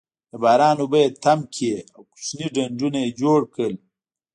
د باران اوبه یې تم کړې او کوچني ډنډونه یې جوړ کړل.